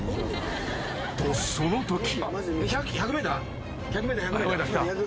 ［とそのとき］